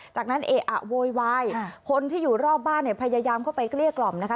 จากนั้นเอะอะโวยวายคนที่อยู่รอบบ้านเนี่ยพยายามเข้าไปเกลี้ยกล่อมนะคะ